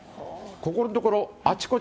ここのところあちこち